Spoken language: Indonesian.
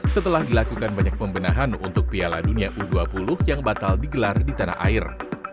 setelah dilakukan banyak pembenahan untuk piala dunia u dua puluh yang batal digelar di tanah air